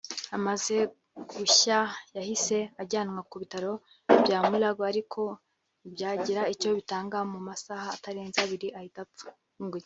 Amaze gushya yahise ajyanwa ku bitaro bya Mulago ariko ntibyagira icyo bitanga mu masaha atarenze abiri ahita apfa